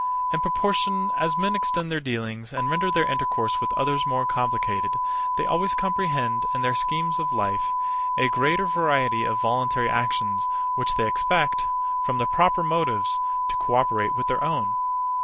In proportion as men extend their dealings, and render their intercourse with others more complicated, they always comprehend, in their schemes of life, a greater variety of voluntary actions, which they expect, from the proper motives, to co operate with their own.